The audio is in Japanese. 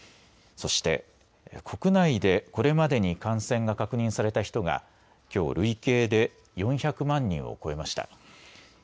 そして、国内でこれまでに感染が確認された人が、きょう累計で４００万人を超えました。